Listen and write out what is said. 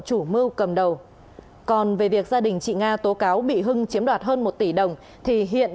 chủ mưu cầm đầu còn về việc gia đình chị nga tố cáo bị hưng chiếm đoạt hơn một tỷ đồng thì hiện